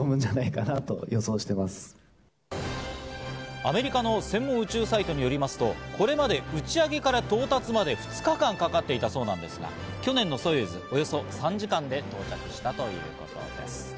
アメリカの専門宇宙サイトによりますと、これまで打ち上げから到達まで２日間かかっていたそうなんですが、去年のソユーズはおよそ３時間で到着したということです。